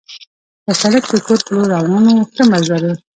پر سړک د کور په لور روان وو، ښه مزل وو.